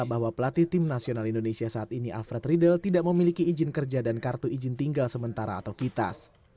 bahwa pelatih tim nasional indonesia saat ini alfred riedel tidak memiliki izin kerja dan kartu izin tinggal sementara atau kitas